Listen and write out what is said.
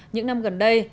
những năm gần đây